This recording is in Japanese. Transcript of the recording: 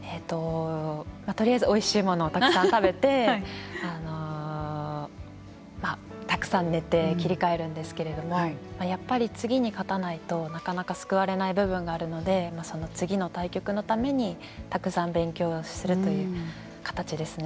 とりあえずおいしいものをたくさん食べてたくさん寝て切り替えるんですけれどもやっぱり、次に勝たないとなかなか救われない部分があるのでその次の対局のためにたくさん勉強するという形ですね。